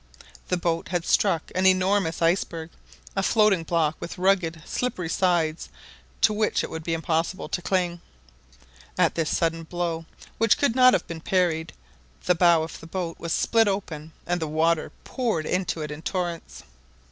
The boat had just struck an enormous iceberg, a floating block with rugged, slippery sides, to which it would be impossible to cling. At this sudden blow, which could not have been parried, the bow of the boat was split open, and the water poured into it in torrents.